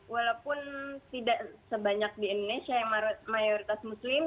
walaupun tidak sebanyak di indonesia yang mayoritas muslim